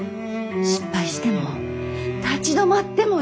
失敗しても立ち止まってもいい。